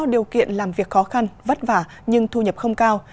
điều kiện làm việc khó khăn vất vả nhưng thu nhập không cao